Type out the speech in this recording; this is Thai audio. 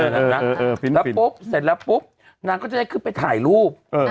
แล้วปุ๊บเสร็จแล้วปุ๊บนางก็จะได้ขึ้นไปถ่ายรูป